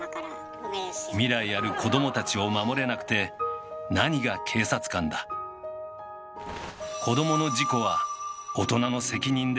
未来ある子どもたちを守れなくて何が警察官だあっあれ？